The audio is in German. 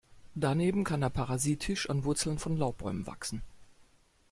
Daneben kann er parasitisch an Wurzeln von Laubbäumen wachsen.